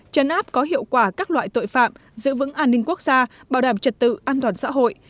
chấn áp có hiệu quả các loại tội phạm giữ vững an ninh quốc gia bảo đảm trật tự an toàn xã hội